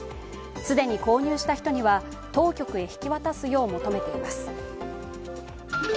既に購入した人には、当局へ引き渡すよう求めています。